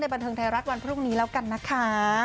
บันเทิงไทยรัฐวันพรุ่งนี้แล้วกันนะคะ